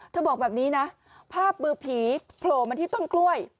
บอกแบบนี้นะภาพมือผีโผล่มาที่ต้นกล้วย